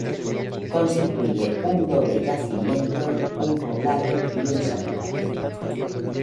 Constituye un doble yacimiento, un poblado y un santuario.